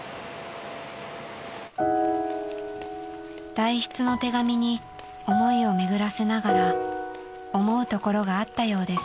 ［代筆の手紙に思いを巡らせながら思うところがあったようです］